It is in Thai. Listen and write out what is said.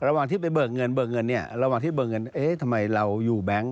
ระหว่างที่ไปเบิกเงินเบิกเงินเนี่ยระหว่างที่เบิกเงินเอ๊ะทำไมเราอยู่แบงค์